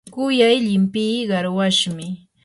kuyay llimpii qarwashmi.